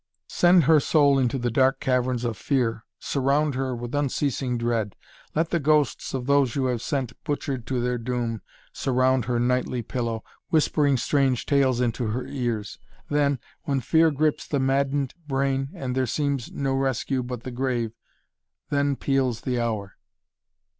"Send her soul into the dark caverns of fear surround her with unceasing dread let the ghosts of those you have sent butchered to their doom surround her nightly pillow, whispering strange tales into her ears, then, when fear grips the maddened brain and there seems no rescue but the grave then peals the hour."